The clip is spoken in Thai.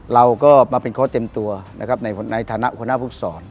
เราก็มาเป็นโค้ชเต็มตัวในฐานะคุณภุตศร